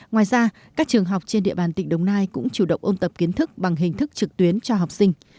ngoài ra các trường học trên địa bàn tỉnh đồng nai cũng chủ động ôn tập kiến thức bằng hình thức trực tuyến cho học sinh